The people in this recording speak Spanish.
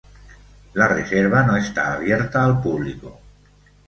La reserva no está abierta al público.